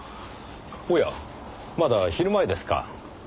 おやまだ昼前ですか。